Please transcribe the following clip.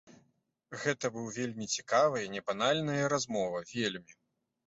Гэта быў вельмі цікавая, небанальная размова, вельмі.